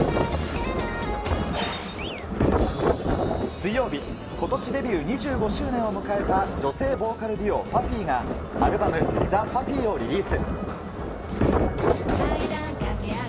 水曜日、ことしデビュー２５周年を迎えた女性ボーカルデュオ、パフィーがアルバム、ザ・パフィーをリリース。